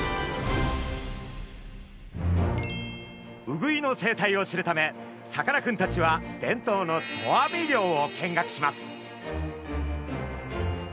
ウグイの生態を知るためさかなクンたちは伝統の投網漁を見学します。